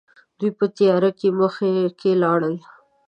دوی په تياره کې مخکې لاړل.